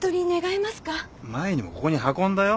前にもここに運んだよ。